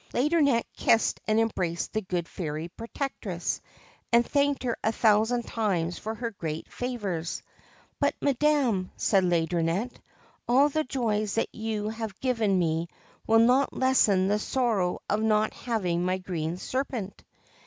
Laideronnette kissed and embraced the good Fairy Protectress, and thanked her a thousand times for her great favours. ' But, madam,' said Laideronnette, ' all the joys that you have given me will not lessen the sorrow of not having my Green Serpent.'